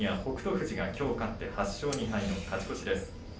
富士がきょう勝って８勝２敗の勝ち越しです。